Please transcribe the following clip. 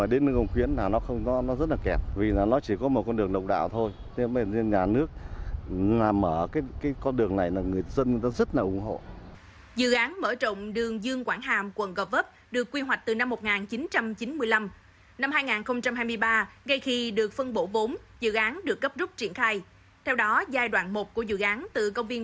dự án mở rộng đường dương quảng hàm quận gò vấp thuộc danh mục các công trình dự án trọng điểm